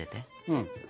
うん。